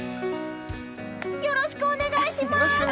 よろしくお願いします！